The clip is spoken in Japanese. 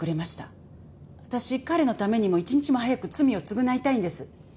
私彼のためにも一日も早く罪を償いたいんです。